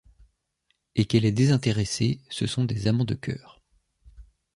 Et qu'elle est désintéressée, ce sont des amants de cœur.